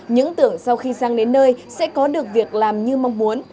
những tưởng sau khi sang đến nơi sẽ có được việc làm như mong muốn